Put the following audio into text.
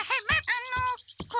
あのこれ。